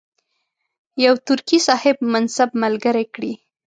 یو ترکي صاحب منصب ملګری کړي.